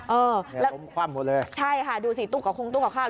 เออแล้วใช่ค่ะดูสิตุ๊กกับคุ้มตุ๊กกับข้าว